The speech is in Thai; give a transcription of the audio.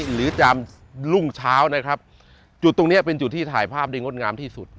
หรือจามรุ่งเช้านะครับจุดตรงเนี้ยเป็นจุดที่ถ่ายภาพได้งดงามที่สุด